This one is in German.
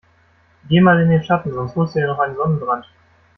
Geh mal in den Schatten, sonst holst du dir noch einen Sonnenbrand.